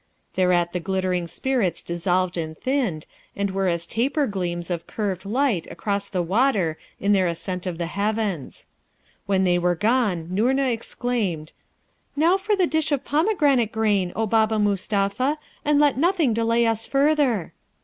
Thereat the glittering spirits dissolved and thinned, and were as taper gleams of curved light across the water in their ascent of the heavens. When they were gone Noorna, exclaimed, 'Now for the dish of pomegrante grain, O Baba Mustapha, and let nothing delay us further.'